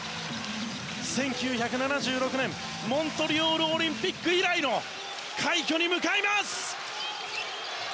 １９７６年、モントリオールオリンピック以来の快挙に向かいます。